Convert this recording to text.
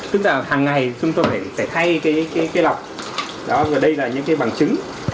hàng ngày chúng tôi sẽ thay cái lọc đây là những bằng chứng